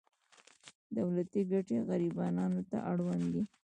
دولتي ګټې غریبانو ته اړوند دي.